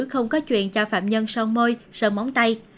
không có chuyện cho phạm nhân son môi sơn móng tay